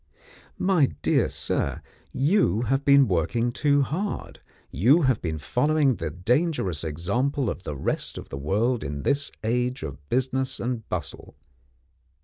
My dear sir, you have been working too hard; you have been following the dangerous example of the rest of the world in this age of business and bustle.